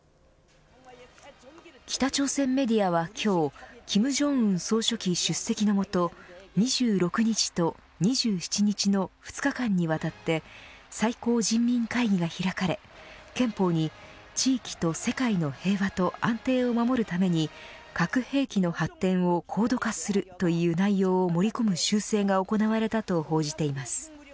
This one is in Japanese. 北朝鮮メディアは今日金正恩総書記、出席のもと２６日と２７日の２日間にわたって最高人民会議が開かれ、憲法に地域と世界の平和と安定を守るために核兵器の発展を高度化するという内容を盛り込む修正が行われたと報じています。